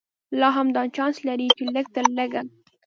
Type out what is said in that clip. لا هم دا چانس لري چې لږ تر لږه.